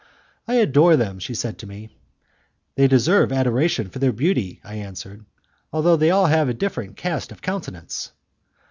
"I adore them," she said to me. "They deserve adoration for their beauty," I answered, "although they have all a different cast of countenance."